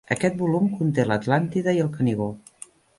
Aquest volum conté "L'Atlàntida" i el "Canigó".